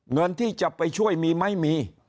เงินที่จะไปช่วยมีไหมมี